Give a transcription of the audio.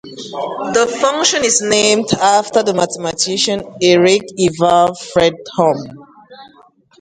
The function is named after the mathematician Erik Ivar Fredholm.